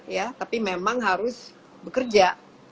ya tapi memang harus bekerja